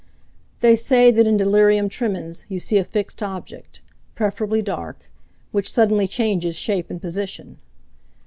They say that in delirium tremens you see a fixed object, preferably dark, which suddenly changes shape and position.